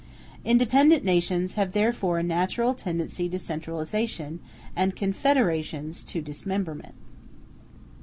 Independent nations have therefore a natural tendency to centralization, and confederations to dismemberment.